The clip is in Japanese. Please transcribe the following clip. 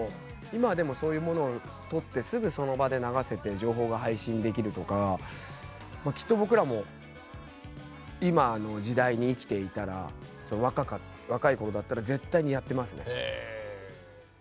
今はでもそういうものを撮ってすぐその場で流せて情報が配信できるとかまあきっと僕らも今の時代に生きていたら若い頃だったら絶対にやってますね。